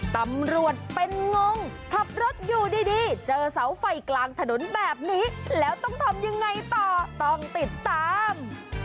ตำรวจเป็นงงขับรถอยู่ดีเจอเสาไฟกลางถนนแบบนี้แล้วต้องทำยังไงต่อต้องติดตาม